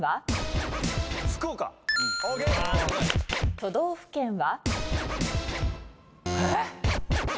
都道府県は？